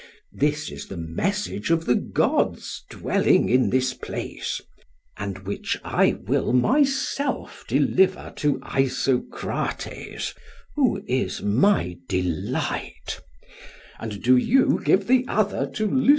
This is the message of the gods dwelling in this place, and which I will myself deliver to Isocrates, who is my delight; and do you give the other to Lysias, who is yours.